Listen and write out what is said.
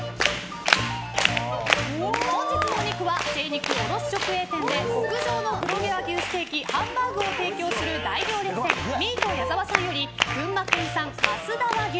本日のお肉は精肉卸直営店で極上の黒毛和牛ステーキハンバーグを提供する大行列店ミート矢澤さんより群馬県産増田和牛